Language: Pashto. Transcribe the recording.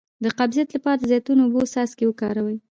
د قبضیت لپاره د زیتون او اوبو څاڅکي وکاروئ